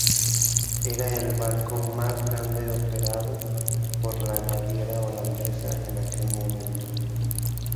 Era el barco más grande operado por la naviera holandesa en aquel momento.